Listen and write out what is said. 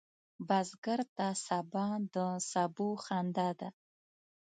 بزګر ته سبا د سبو خندا ده